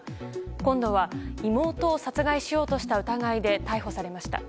今度は妹を殺害しようとした疑いで逮捕されました。